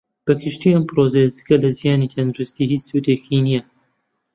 بە گشتی ئەم پڕۆسەیە جگە لە زیانی تەندروستی ھیچ سودێکی نییە